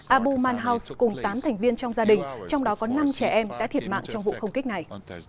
abu manhause cùng tám thành viên trong gia đình trong đó có năm trẻ em đã thiệt mạng trong vụ không kích này